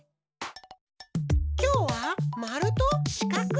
きょうはまるとしかく。